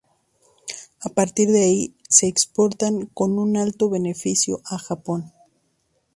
A partir de ahí se exportan con un alto beneficio a Japón.